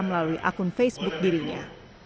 melalui akun facebook dirinya